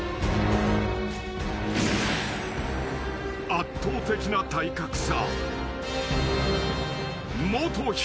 ［圧倒的な体格差］